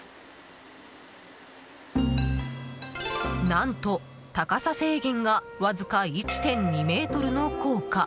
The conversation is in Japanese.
何と高さ制限がわずか１．２ｍの高架。